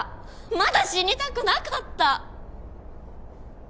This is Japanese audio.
まだ死にたくなかった。